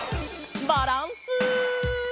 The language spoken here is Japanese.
バランス。